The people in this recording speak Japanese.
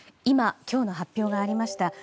今、今日の発表がありました。